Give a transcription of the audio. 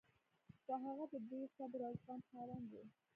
خو هغه د ډېر صبر او زغم خاوند و